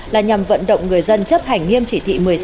là nhằm vận động người dân chấp hành nghiêm chỉ thị một mươi sáu